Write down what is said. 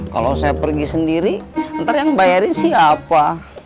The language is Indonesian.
kalau saya pergi sendiri nanti yang bayarin siapa